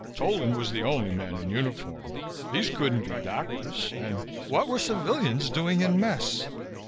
Tolan was the only man in uniform. These couldn't be doctors and what were civilians doing in mess....